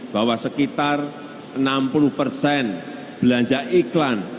bahwa sekitar enam puluh persen belanja iklan